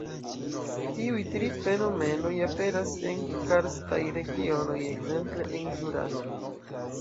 Tiuj tri fenomenoj aperas en karstaj regionoj, ekzemple en Ĵuraso.